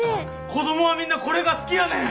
子供はみんなこれが好きやねん。